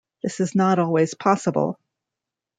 This is not always possible.